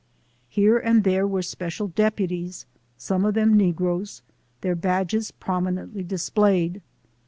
Here and there were special deputies, some of them negroes, their badges prominently displayed.